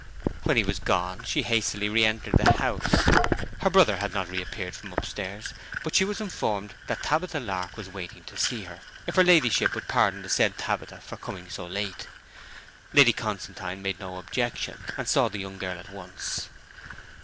When he was gone she hastily re entered the house. Her brother had not reappeared from upstairs; but she was informed that Tabitha Lark was waiting to see her, if her ladyship would pardon the said Tabitha for coming so late. Lady Constantine made no objection, and saw the young girl at once.